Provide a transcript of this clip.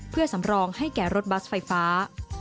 เพื่อสำรองให้แก่รถบัสไฟฟ้า